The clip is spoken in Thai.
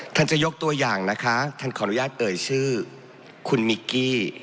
ท่านจะยกตัวอย่างนะคะท่านขออนุญาตเอ่ยชื่อคุณมิกกี้